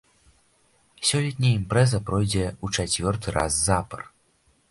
Сёлетняя імпрэза пройдзе ў чацвёрты раз запар.